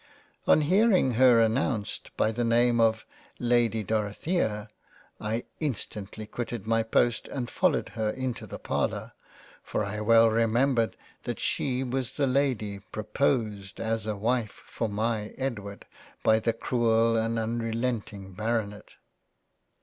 On hearing her announced by the Name of " Lady Dorothea," I instantly quitted my Post and followed her into the Parlour, for I well remembered that she was the Lady, proposed as a Wife for my Edward by the Cruel and Unrelenting Baronet.